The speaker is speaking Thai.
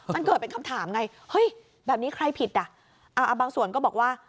มันเกิดเป็นคำถามไงเฮ้ยแบบนี้ใครผิดอ่ะบางส่วนก็บอกว่า